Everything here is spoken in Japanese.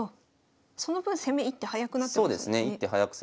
その分攻め１手早くなってますもんね。